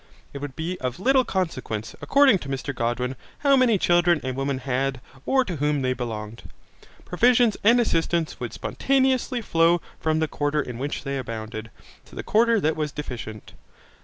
It would be of little consequence, according to Mr Godwin, how many children a woman had or to whom they belonged. Provisions and assistance would spontaneously flow from the quarter in which they abounded, to the quarter that was deficient.